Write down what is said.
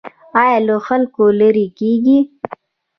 ایا له خلکو لرې کیږئ؟